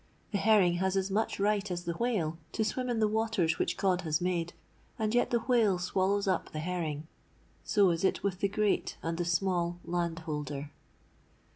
The herring has as much right as the whale to swim in the waters which God has made; and yet the whale swallows up the herring! So is it with the great and the small landholder!'